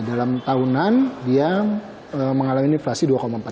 dalam tahunan dia mengalami deflasi dua empat puluh enam